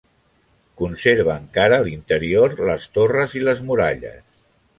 Conserva encara l'interior, les torres i les muralles.